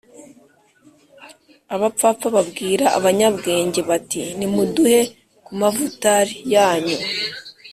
Abapfapfa babwira abanyabwenge bati nimuduhe ku mavutal yanyu